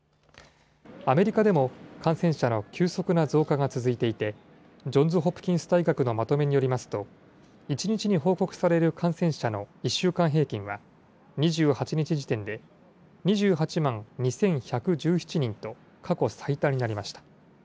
アメリカでも、感染者の急速な増加が続いていて、ジョンズ・ホプキンス大学のまとめによりますと、１日に報告される感染者の１週間平均は、２８日時点で、２８万２１１７人と、過去最多になりました。